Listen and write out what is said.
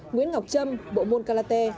nguyễn ngọc trâm bộ môn karate